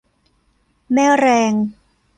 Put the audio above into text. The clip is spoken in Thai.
แม่แรง